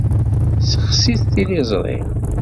Sexsit tiliẓṛi.